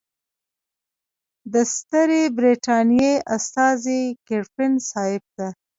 د ستري برټانیې استازي ګریفین صاحب ته.